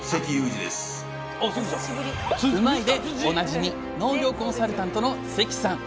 「うまいッ！」でおなじみ農業コンサルタントの関さん！